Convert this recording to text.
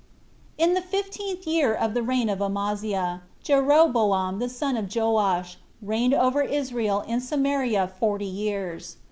1. In the fifteenth year of the reign of Amaziah, Jeroboam the son of Joash reigned over Israel in Samaria forty years.